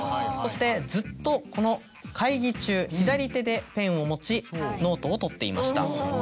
そしてずっとこの会議中左手でペンを持ちノートを取っていました。